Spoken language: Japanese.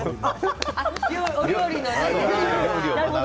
お料理でね。